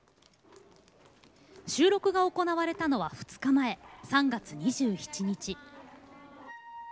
収録が行われたのは２日前３月２７日。